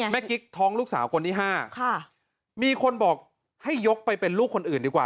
กิ๊กท้องลูกสาวคนที่๕มีคนบอกให้ยกไปเป็นลูกคนอื่นดีกว่า